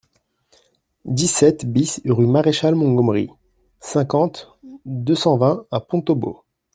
dix-sept BIS rue Marechal Montgomery, cinquante, deux cent vingt à Pontaubault